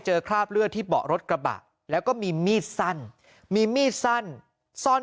คราบเลือดที่เบาะรถกระบะแล้วก็มีมีดสั้นมีมีดสั้นซ่อน